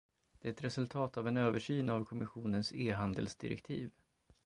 Det är ett resultat av en översyn av kommissionens e-handelsdirektiv.